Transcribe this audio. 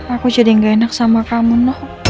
aku jadi nggak enak sama kamu noh